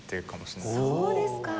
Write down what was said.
そうですか！